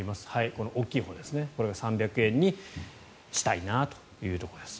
この大きいほう３００円にしたいというところです。